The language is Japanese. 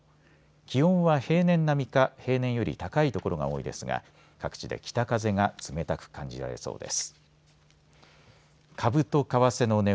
気温は平年並みか平年より高い所が多いですが各地で北風が冷たく感じられそうです。